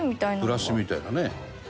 ブラシみたいなね。